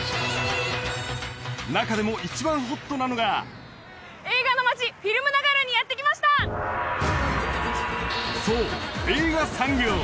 中でも一番ホットなのがそう映画産業